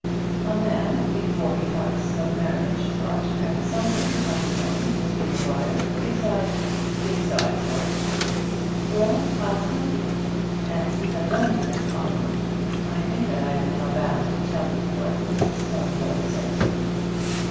"A man before he talks of marriage ought to have something of his own, Mr Maguire, besides " "Besides what?" "Well, I'll tell you. As you have done me this honour, I think that I am now bound to tell you what Mrs Stumfold said to me.